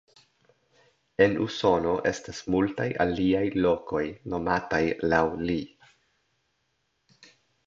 En Usono estas multaj aliaj lokoj nomataj laŭ li.